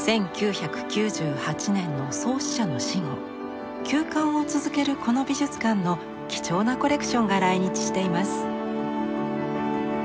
１９９８年の創始者の死後休館を続けるこの美術館の貴重なコレクションが来日しています。